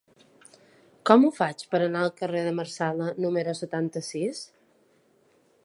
Com ho faig per anar al carrer de Marsala número setanta-sis?